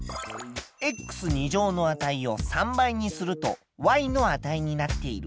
の値を３倍にするとの値になっている。